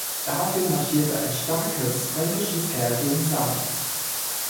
Daraufhin marschierte ein starkes fränkisches Heer gegen Samo.